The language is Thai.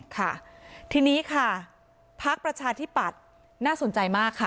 ค่ะทีนี้ค่ะพักประชาธิปัตย์น่าสนใจมากค่ะ